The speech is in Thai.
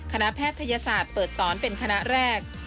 แพทยศาสตร์เปิดสอนเป็นคณะแรก